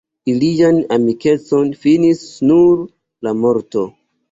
Ilian amikecon finis nur la morto.